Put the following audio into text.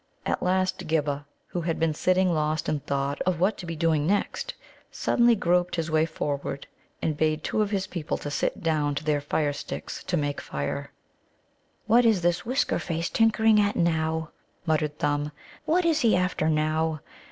At last Ghibba, who had been sitting lost in thought of what to be doing next, suddenly groped his way forward, and bade two of his people sit down to their firesticks to make fire. "What is this Whisker face tinkering at now?" muttered Thumb. "What is he after now?